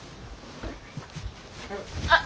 あっ。